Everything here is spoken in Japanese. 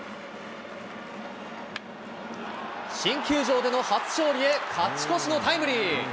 新球場での初勝利へ、勝ち越しのタイムリー。